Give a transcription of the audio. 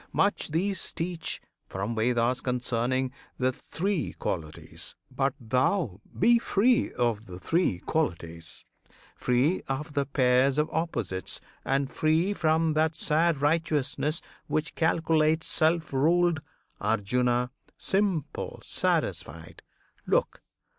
Much these teach, From Veds, concerning the "three qualities;" But thou, be free of the "three qualities," Free of the "pairs of opposites,"[FN#2] and free From that sad righteousness which calculates; Self ruled, Arjuna! simple, satisfied![FN#3] Look!